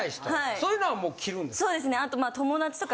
そういうのはもう切るんですか？